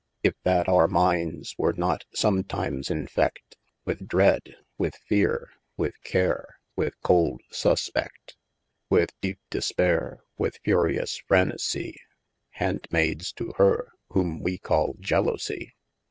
If that our mindes were not sometimes infetl, With dread, with feare, with care, with cold suspeSt : With deepe dispaire, with furious frenesie, Handmaides to her, whome we call jelosie.